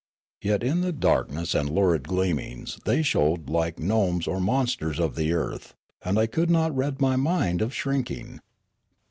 Yet in the darkness and lurid gleamings they showed like gnomes or monsters of the earth, and I could not rid my mind of shrinking.